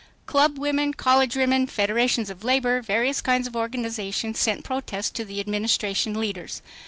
Club women, college women, federations of labor,—various kinds of organizations sent protests to the Administration leaders.